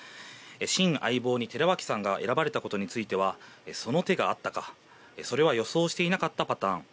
新相棒に寺脇さんが選ばれたことについてはその手があったかそれは予想してなかったパターン。